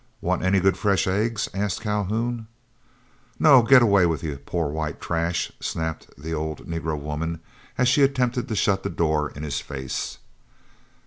"Want eny good fresh eggs?" asked Calhoun. "No; go way wid ye, yo' po' white trash," snapped the old negro woman, as she attempted to shut the door in his face.